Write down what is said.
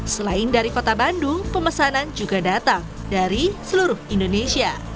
selain dari kota bandung pemesanan juga datang dari seluruh indonesia